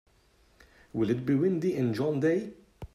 Will it be windy in John Day?